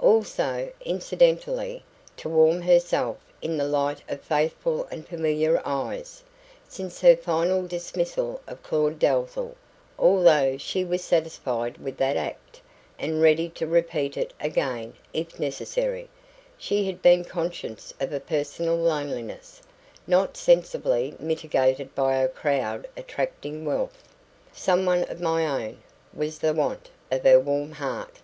Also, incidentally, to warm herself in the light of faithful and familiar eyes. Since her final dismissal of Claud Dalzell although she was satisfied with that act, and ready to repeat it again, if necessary she had been conscious of a personal loneliness, not sensibly mitigated by her crowd attracting wealth. "Someone of my own" was the want of her warm heart.